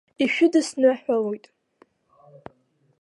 Ишәыдысныҳәалоит!